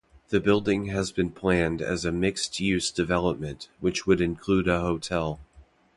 The building has been planned as a mixed-use development, which would include a hotel.